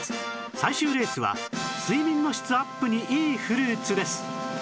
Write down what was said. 最終レースは睡眠の質アップにいいフルーツです